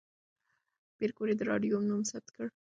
پېیر کوري د راډیوم نوم ثبت کړ.